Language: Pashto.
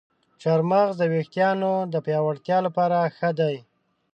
چارمغز د ویښتانو د پیاوړتیا لپاره ښه دی.